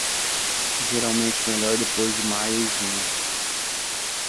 Geralmente melhor depois de maio e junho.